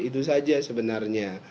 itu saja sebenarnya